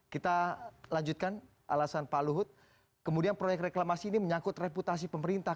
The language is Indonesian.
kita lanjutkan alasan pak luhut kemudian proyek reklamasi ini menyangkut reputasi pemerintah